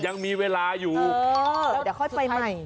ยังมีเวลาอยู่แล้วเดี๋ยวค่อยไปใหม่